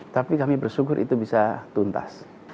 tapi kami bersyukur itu bisa tuntas